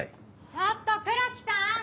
ちょっと黒木さん！